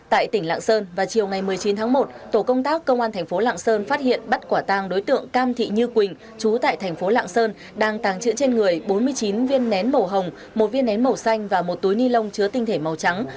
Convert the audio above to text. tại tỉnh lạng sơn vào chiều ngày một mươi chín tháng một tổ công tác công an thành phố lạng sơn phát hiện bắt quả tàng đối tượng cam thị như quỳnh chú tại thành phố lạng sơn đang tàng trữ trên người bốn mươi chín viên nén màu hồng một viên nén màu xanh và một túi ni lông chứa tinh thể màu trắng